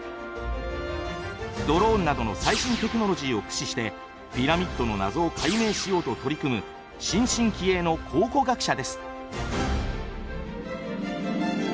ドローンなどの最新テクノロジーを駆使してピラミッドの謎を解明しようと取り組む新進気鋭の考古学者です。